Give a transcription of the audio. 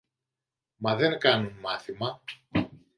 Μα, δεν κάνουν μάθημα.